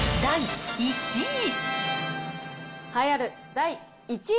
第１位。